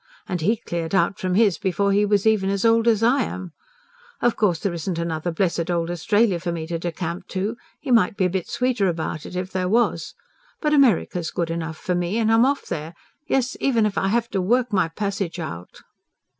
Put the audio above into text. And HE cleared out from his before he was even as old as I am. Of course there isn't another blessed old Australia for me to decamp to; he might be a bit sweeter about it, if there was. But America's good enough for me, and I'm off there yes, even if I have to work my passage out!"